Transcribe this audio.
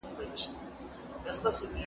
هنري بیان په زړونو کي ځای پیدا کوي.